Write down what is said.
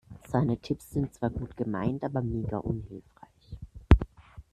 Seine Tipps sind zwar gut gemeint aber mega unhilfreich.